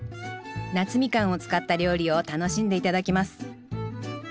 夏蜜柑を使った料理を楽しんで頂きます